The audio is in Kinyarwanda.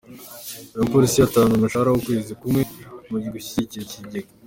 Buri mupolisi yatanze umushahara w’ukwezi kumwe mu gushyigikira ikigega